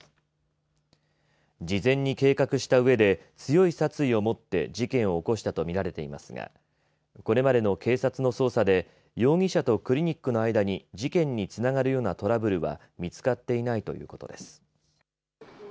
事前に計画したうえで強い殺意をもって事件を起こしたと見られていますがこれまでの警察の捜査で容疑者とクリニックの間に事件につながるようなトラブルは見つかっていないということです。